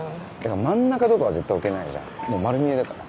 真ん中とかは絶対置けないじゃんもう丸見えだからさ。